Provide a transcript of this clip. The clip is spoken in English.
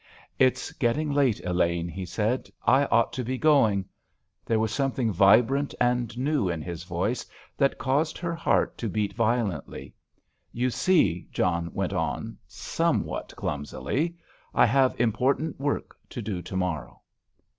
"It's getting late, Elaine," he said. "I ought to be going." There was something vibrant and new in his voice that caused her heart to beat violently. "You see," John went on, somewhat clumsily, "I have important work to do to morrow."